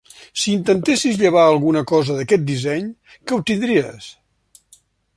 Si intentessis llevar alguna cosa d'aquest disseny, què obtindries?